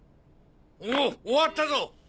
おっ終わったぞ。